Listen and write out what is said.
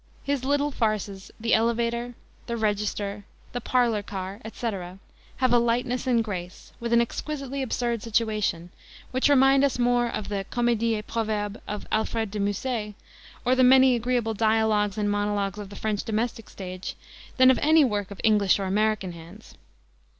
His little farces, the Elevator, the Register, the Parlor Car, etc., have a lightness and grace, with an exquisitely absurd situation, which remind us more of the Comedies et Proverbes of Alfred de Musset, or the many agreeable dialogues and monologues of the French domestic stage, than of any work of English or American hands.